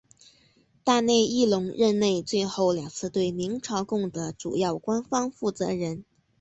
大内义隆任内最后两次对明朝贡的主要官方负责人。